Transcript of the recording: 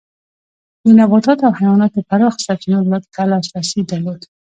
د نباتاتو او حیواناتو پراخو سرچینو ته لاسرسی درلود.